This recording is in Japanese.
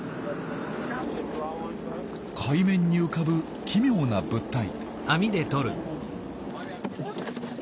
海面に浮かぶ奇妙な物体。